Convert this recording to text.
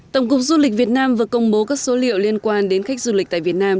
tổng cục du lịch việt nam vừa công bố các số liệu liên quan đến khách du lịch tại việt nam